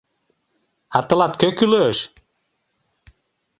А тылат кӧ кӱлеш?